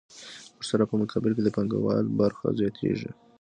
ورسره په مقابل کې د پانګوال برخه زیاتېږي